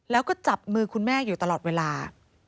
แล้วก็จับมือคุณแม่อยู่ตลอดเวลา